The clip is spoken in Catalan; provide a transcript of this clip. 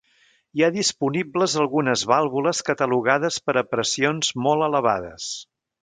Hi ha disponibles algunes vàlvules catalogades per a pressions molt elevades.